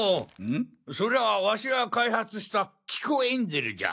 それはワシが開発した「聞こエンジェル」じゃ。